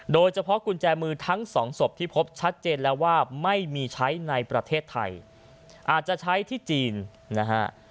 โดยเฉพาะกุญแจมือทั้งสองศพที่พบชัดเจนแล้วว่าไม่มีใช้ในประเทศไทยอาจจะใช้ที่จีนนะฮะ